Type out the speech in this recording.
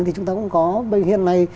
thì chúng ta cũng có bây giờ hiện nay